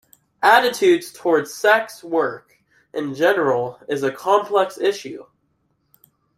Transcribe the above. Attitudes towards sex work in general is a complex issue.